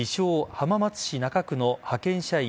・浜松市中区の派遣社員